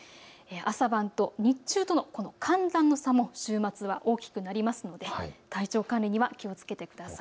朝晩と日中の寒暖の差は週末は大きくなりますので体調管理には気をつけてください。